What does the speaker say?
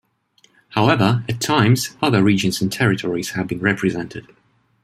However, at times other regions and territories have been represented.